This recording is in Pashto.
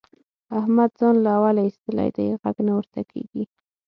احمد ځان له اوله اېستلی دی؛ غږ نه ورته کېږي.